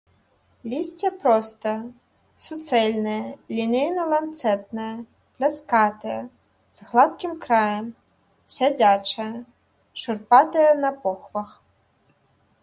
Лісце простае, суцэльнае, лінейна-ланцэтнае, пляскатае, з гладкім краем, сядзячае, шурпатае на похвах.